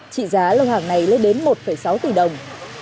trị giá lô hàng này lên đến một sáu tỷ đồng